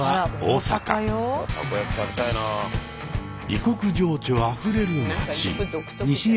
異国情緒あふれる街。